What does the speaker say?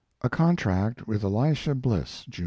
A CONTRACT WITH ELISHA BLISS, JR.